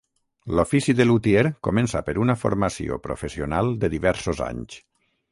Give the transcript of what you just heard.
L'ofici de lutier comença per una formació professional de diversos anys.